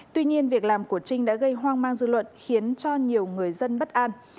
tuy nhiên việc làm của trinh đã gây hoang mang dư luận khiến cho nhiều người dân bất an